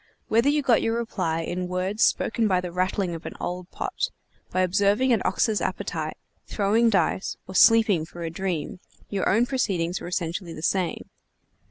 Whether you got your reply in words spoken by the rattling of an old pot, by observing an ox's appetite, throwing dice, or sleeping for a dream, your own proceedings were essentially the same.